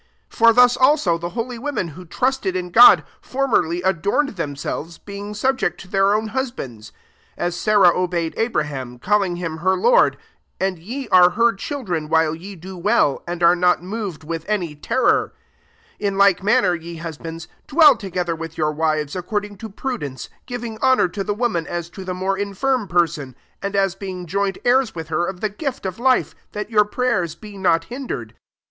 5 For thus also the holy wo men, who trusted in God, for merly adorned themselves, be ing subject to their own hus bands ; 6 as Sarah obeyed Abra ham, calling him her lord :* and ye are her children while ye do well, and are not moved with any terror, 7 In like manner, ye hus bands, dwell together vnth your wives according to prudence, giving honour to the woman as to the more infirm person,t and as being joint heirs with her of the gift of life ; that your pray ers be not hindered.